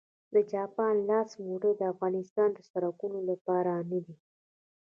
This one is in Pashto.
د جاپان لاس موټرې د افغانستان د سړکونو لپاره نه دي